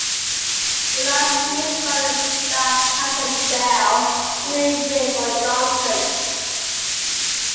The Lions released running back Tatum Bell to make room for Johnson.